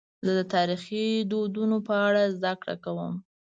زه د تاریخي دودونو په اړه زدهکړه کوم.